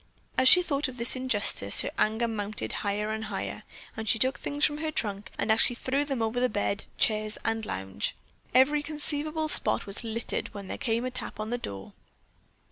As she thought of this injustice, her anger mounted higher and higher, and she took things from her trunk and actually threw them over the bed, chairs and lounge. Every conceivable spot was littered when there came a tap on the door.